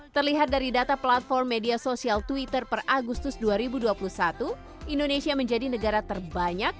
terlihat dari data platform media sosial twitter per agustus dua ribu dua puluh satu indonesia menjadi negara terbanyak